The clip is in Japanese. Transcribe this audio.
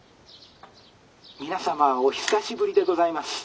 「皆様お久しぶりでございます。